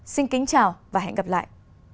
xin kính chào và hẹn gặp lại